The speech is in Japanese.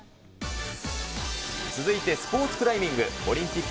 続いてスポーツクライミング、オリンピック